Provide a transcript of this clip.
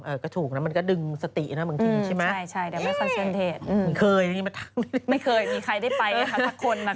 เออก็ถูกนะมันก็ดึงสตินะมึงทิ้งใช่ไหมไม่เคยมีใครได้ไปนะคะทักคนมาค่ะ